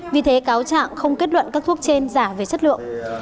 vì thế cáo trạng không kết luận các thuốc trên giả về chất lượng